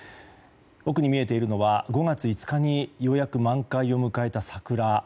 奥に見えているのは５月５日にようやく満開を迎えた桜です。